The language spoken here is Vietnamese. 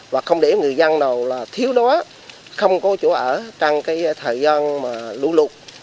và không để người dân nào thiếu đó không có chỗ ở trong thời gian lũ lụt